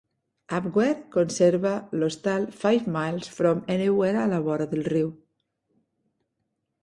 Upware conserva l"hostal Five Miles from Anywhere a la vora del riu.